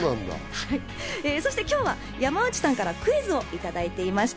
そして今日は山内さんからクイズをいただいていました。